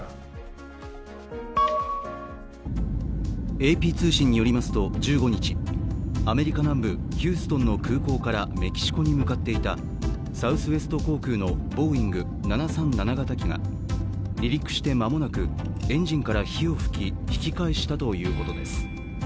ＡＰ通信によりますと１５日、アメリカ南部ヒューストンの空港からメキシコに向かっていたサウスウェスト航空のボーイング７３７型機が離陸して間もなくエンジンから火を噴き引き返したということです。